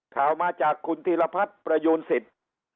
ข่าวมาจากคุณธีรพัฒน์ประยูนสิทธิ์